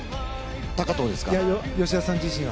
いや、吉田さん自身は。